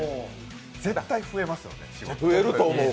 絶対増えます、仕事。